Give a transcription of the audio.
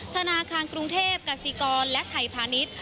ธนาคารกรุงเทพกษิกรและไทยพาณิชย์